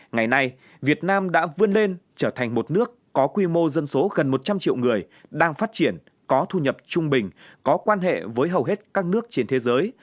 ngày nay việt nam đã vươn lên trở thành một nước có quy mô dân số gần một trăm linh triệu người đang phát triển có thu nhập trung bình có quan hệ với hầu hết các nước trên thế giới